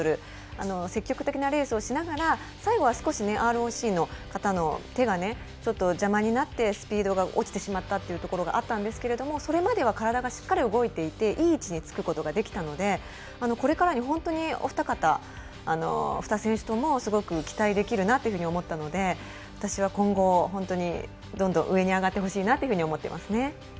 積極的なレースをしながら最後は少しＲＯＣの方の手が邪魔になってスピードが落ちてしまったというところがあったんですけれどもそれまでは体がしっかり動いていていい位置につくことができたのでこれから、本当にお二方２選手ともすごく期待できるなと思ったので、私は今後どんどん上に上がってほしいなと思っていますね。